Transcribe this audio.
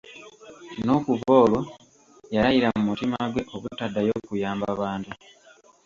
N'okuva olwo, yalayira mu mutima gwe obutaddayo kuyamba bantu.